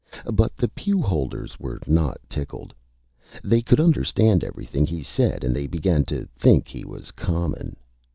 But the Pew Holders were not tickled. They could Understand everything he said, and they began to think he was Common.